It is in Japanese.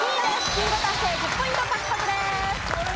ビンゴ達成１０ポイント獲得です。